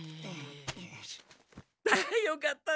あよかった。